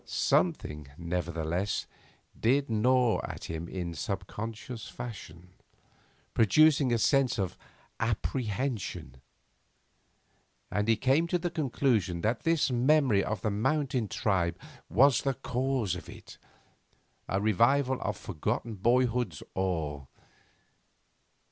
Something, nevertheless, did gnaw at him in subconscious fashion, producing a sense of apprehension; and he came to the conclusion that this memory of the mountain tribe was the cause of it a revival of forgotten boyhood's awe.